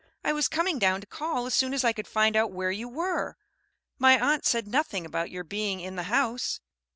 I was coming down to call as soon as I could find out where you were. My aunt said nothing about your being in the house."